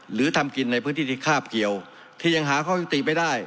หรือทำกินในพื้นที่ที่คาบเกี่ยวที่ยังหาข้อยุติไม่ได้